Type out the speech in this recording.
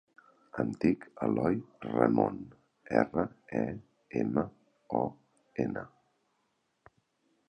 Em dic Eloy Remon: erra, e, ema, o, ena.